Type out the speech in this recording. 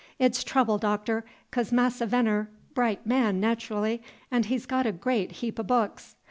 It's trouble, Doctor; 'cos Massa Veneer bright man naterally, 'n' he's got a great heap o' books.